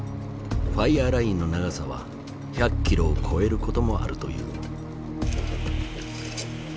ファイアーラインの長さは１００キロを超えることもあるという。